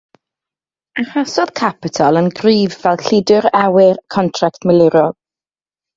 Arhosodd Capitol yn gryf fel cludwr awyr contract milwrol.